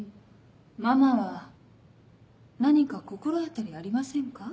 ママは何か心当たりありませんか？